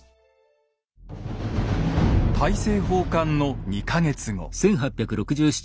大政奉還の２か月後。